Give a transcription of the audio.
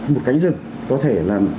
một cánh dựng có thể là